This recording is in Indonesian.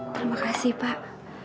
terima kasih pak